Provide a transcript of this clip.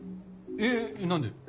えぇ何で？